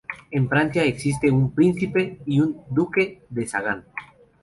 En Francia existe un "príncipe" y "duque" de Sagan.